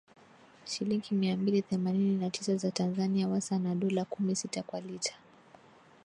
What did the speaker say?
shilingi mia mbili themanini na tisa za Tanzania wasa na dola kumi sita kwa lita